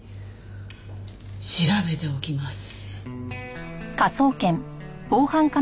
調べておきます。